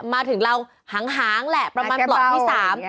มาถึงเราหางแหละประมาณปล่องที่สาม